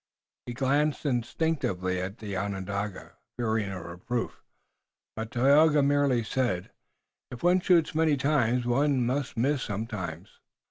He glanced instinctively at the Onondaga, fearing a reproof, but Tayoga merely said: "If one shoots many times one must miss sometimes."